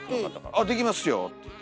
「あっできますよ」って言うて。